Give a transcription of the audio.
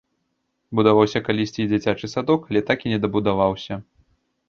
Будаваўся калісьці і дзіцячы садок, але так і не дабудаваўся.